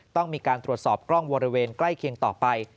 ต้องมีการตรวจสอบกล้องบริเวณใกล้เคียงต่อไป